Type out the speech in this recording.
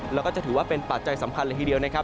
แล้วก็จะถือว่าเป็นปัจจัยสำคัญเลยทีเดียวนะครับ